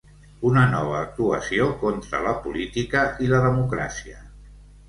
Una nova actuació contra la política i la democràcia.